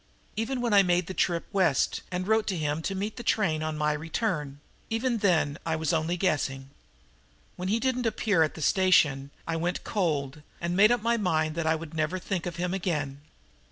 Even when I made the trip West and wrote to him to meet the train on my return even then I was only guessing. When he didn't appear at the station I went cold and made up my mind that I would never think of him again."